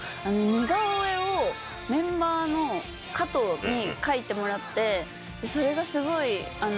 メンバーの加藤に描いてもらってそれがすごい。